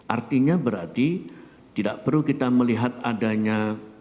artinya berarti tidak perlu kita melihat adanya